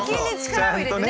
ちゃんとね。